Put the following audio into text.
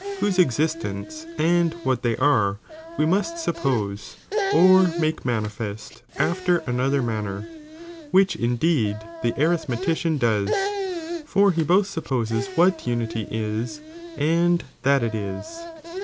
whose existguce and what they are, we must sup pose, or make manifest after another manner,* which indeed the arithmetician does, for he both supposes ichat unity 'k, and that it is.